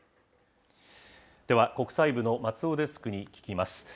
では、国際部の松尾デスクに聞きます。